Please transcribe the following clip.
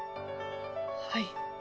はい。